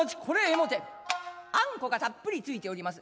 あんこがたっぷりついております